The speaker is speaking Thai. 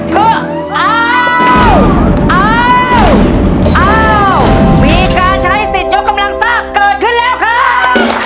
คืออ้าวอ้าวมีการใช้สิทธิ์ยกกำลังซ่าเกิดขึ้นแล้วครับ